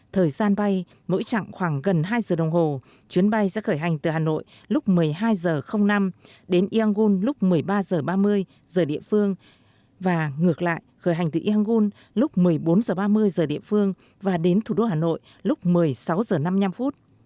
thời gian bay mỗi chặng khoảng gần hai giờ đồng hồ chuyến bay sẽ khởi hành từ hà nội lúc một mươi hai h năm đến yangun lúc một mươi ba h ba mươi giờ địa phương và ngược lại khởi hành từ ieangon lúc một mươi bốn h ba mươi giờ địa phương và đến thủ đô hà nội lúc một mươi sáu h năm mươi năm